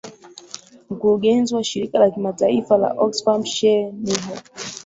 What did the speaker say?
mkurugenzi wa shirika la kimataifa la oxfam shere miho